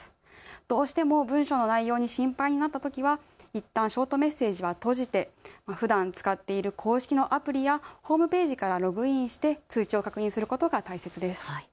どうしても文章の内容に心配になったときにはいったんショートメッセージは閉じてふだん使っている公式のアプリやホームページからログインして通知を確認することが大切です。